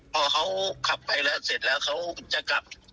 พอเขาขับไปแล้วเสร็จแล้วเขาจะกลับ